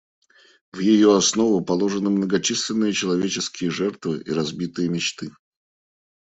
В ее основу положены многочисленные человеческие жертвы и разбитые мечты.